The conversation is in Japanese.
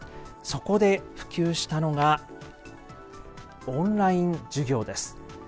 そこで普及したのがオンライン授業です。